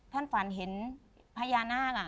ท่านฝันเห็นพญานาค